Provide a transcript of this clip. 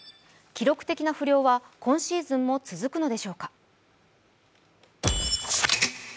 記録的な不漁は今シーズンも続くのでしょうか。